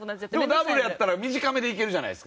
でもダブルやったら短めでいけるじゃないですか。